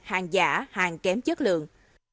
hàng giả hàng kém chất lượng